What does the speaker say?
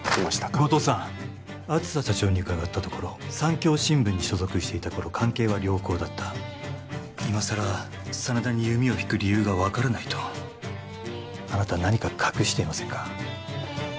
後藤さん梓社長に伺ったところ産教新聞に所属していた頃関係は良好だった今さら真田に弓を引く理由が分からないとあなた何か隠していませんか？